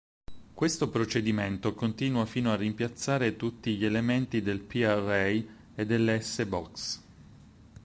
Questo procedimento continua fino a rimpiazzare tutti gli elementi del "P-array" e delle S-Box.